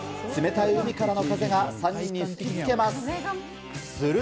冷たい海からの風が３人に吹きつけます。